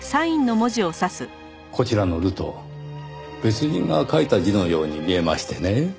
こちらの「ル」と別人が書いた字のように見えましてね。